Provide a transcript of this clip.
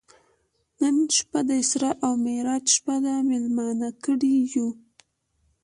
نن شپه د اسرا او معراج شپه ده میلمانه کړي یو.